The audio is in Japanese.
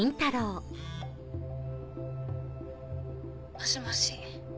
もしもし。